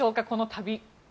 この旅。